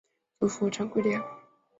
祖父张贵谅。